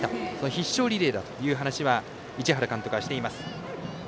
必勝リレーだという話は市原監督はしています。